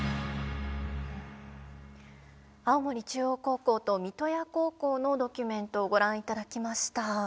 青森中央高校と三刀屋高校のドキュメントをご覧いただきました。